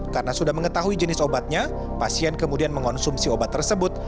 karena sudah mengetahui jenis obatnya pasien kemudian mengonsumsi obat tersebut